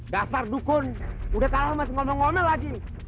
dasar dukun udah kalah mas ngomong ngomel lagi